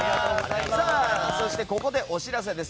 そしてここでお知らせです。